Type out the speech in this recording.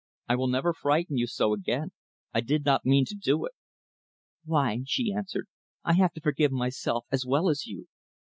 I will never frighten you so again. I did not mean to do it." "Why," she answered, "I have to forgive myself as well as you.